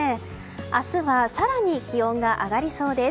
明日は更に気温が上がりそうです。